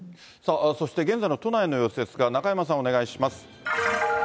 そして現在の都内の様子ですが、中山さん、お願いします。